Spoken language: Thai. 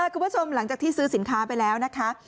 คุณผู้ชมหลังจากที่ซื้อสินค้าไปแล้วนะคะ